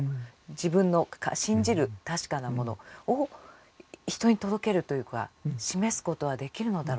自分の信じる確かなものを人に届けるというか示すことはできるのだろうか。